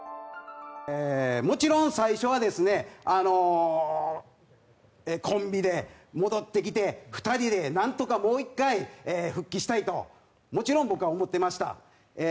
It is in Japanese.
もちろん最初はですね、あの、コンビで戻ってきて、２人でなんとかもう１回、復帰したいと、もちろん僕は思ってました。